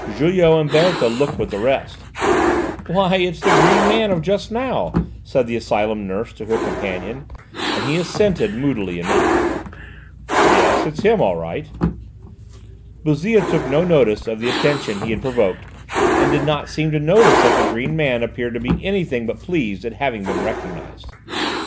Julot and Berthe looked with the rest. "Why, it's the green man of just now," said the asylum nurse to her companion, and he assented, moodily enough. "Yes, it's him right enough." Bouzille took no notice of the attention he had provoked, and did not seem to notice that the green man appeared to be anything but pleased at having been recognised.